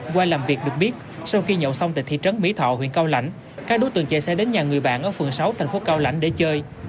qua làm việc được biết sau khi nhậu xong tại thị trấn mỹ thọ huyện cao lãnh các đối tượng chạy xe đến nhà người bạn ở phường sáu thành phố cao lãnh để chơi